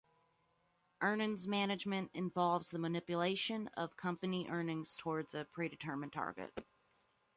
Earnings management involves the manipulation of company earnings towards a pre-determined target.